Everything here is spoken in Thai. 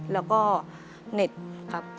แล้วก็เน็ตครับ